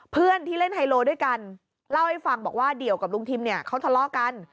เพื่อนที่เล่นไฮโลด้วยกันเล่าให้ฟังบอกว่าเดี่ยวกับลุงทิมเนี่ยเขาทะเลาะกัน